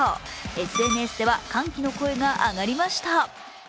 ＳＮＳでは歓喜の声が上がりました。